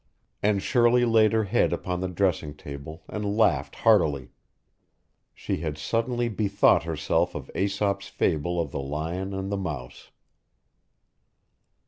And Shirley laid her head upon the dressing table and laughed heartily. She had suddenly bethought herself of Aesop's fable of the lion and the mouse!